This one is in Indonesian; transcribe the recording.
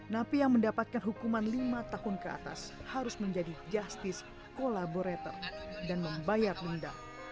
napi yang mendapatkan hukuman lima tahun ke atas harus menjadi justice collaborator dan membayar denda